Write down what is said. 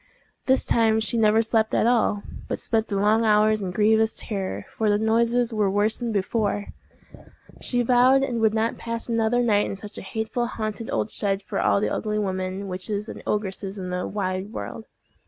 This time she never slept at all, but spent the long hours in grievous terror, for the noises were worse than before. She vowed she would not pass another night in such a hateful haunted old shed for all the ugly women, witches, and ogresses in the wide world.